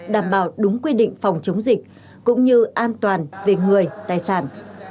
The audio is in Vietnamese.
đảm bảo đúng quy định phòng chống dịch cũng như an toàn về người tài sản